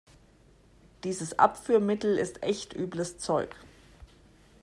Dieses Abführmittel ist echt übles Zeug.